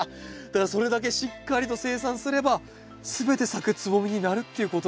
だからそれだけしっかりと生産すれば全て咲くつぼみになるっていうことなんですよね。